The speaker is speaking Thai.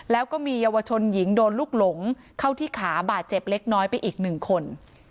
แล้วก็มีเยาวชนหญิงโดนลูกหลงเข้าที่ขาบาดเจ็บเล็กน้อยไปอีกหนึ่งคน